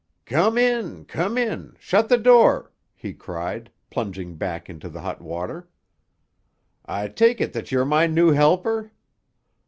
"Come in, come in. Shut the door," he cried, plunging back into the hot water. "I tak' it that you're my new helper?